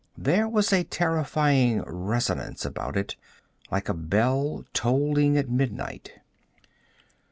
There was a terrifying resonance about it, like a bell tolling at midnight.